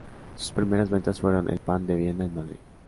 Sus primeras ventas fueron el pan de Viena en Madrid.